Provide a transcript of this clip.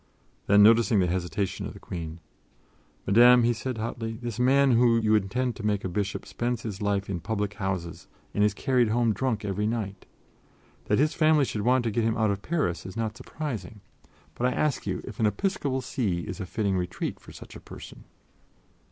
Then, noticing the hesitation of the Queen: "Madame," he said hotly, "this man whom you intend to make a bishop spends his life in public houses and is carried home drunk every night. That his family should want to get him out of Paris is not surprising, but I ask you if an episcopal see is a fitting retreat for such a person."